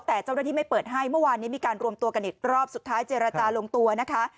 แต่เจ้าหน้าที่ไม่เปิดให้เมื่อวานนี้มีการรวมตัวกันอีกรอบสุดท้ายเจรจาลงตัวนะคะ